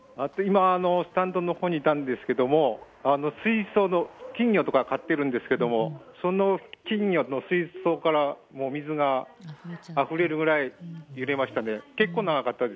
スタンドのほうにいたんですけれども、金魚とか飼ってるんですけども、その金魚の水槽から水があふれるぐらい揺れましたね。